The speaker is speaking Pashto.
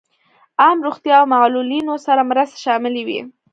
عام روغتیا او معلولینو سره مرستې شاملې وې.